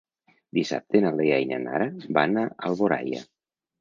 Dissabte na Lea i na Nara van a Alboraia.